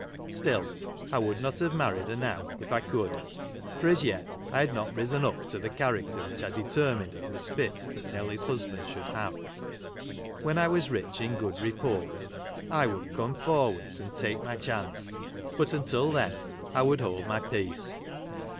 Still I would not have married her now, if I could; for, as yet, I had not risen up to the character which I determined it was fit that Nelly's husband shoxild have. When I was rich in good report, I would come for wards, and take my chance ; but until then. I would hold my peace.